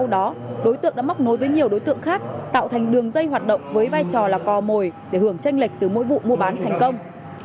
đối tượng đã móc nối với nhiều đối tượng khác tạo thành đường dây hoạt động với vai trò là cò mồi để hưởng tranh lệch từ mỗi vụ mua bán thành công